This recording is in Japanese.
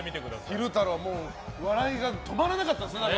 昼太郎もう笑いが止まらなかったですね